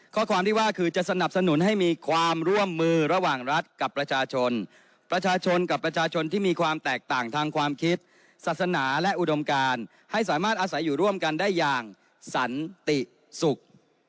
ข้อความที่ว่าคือจะสนับสนุนให้มีความร่วมมือระหว่างรัฐกับประชาชนประชาชนกับประชาชนที่มีความแตกต่างทางความคิดศาสนาและอุดมการให้สามารถอาศัยอยู่ร่วมกันได้อย่างสันติสุข